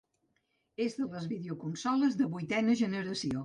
És de les videoconsoles de vuitena generació.